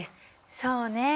そうね。